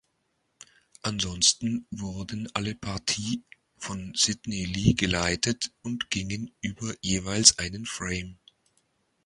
Ansonsten wurden alle Partie von Sydney Lee geleitet und gingen über jeweils einen Frame.